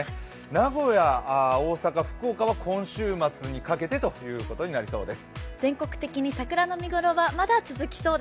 名古屋、大阪、福岡は今週末にかけてということになりそうです。